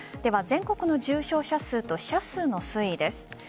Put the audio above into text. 全国の重症者数と死者数の推移です。